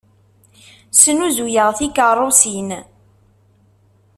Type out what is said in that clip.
Snuzuyeɣ tikeṛṛusin.